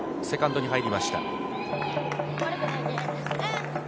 セカンドに入りました。